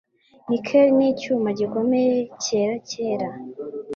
Nickel nicyuma gikomeye, cyera-cyera.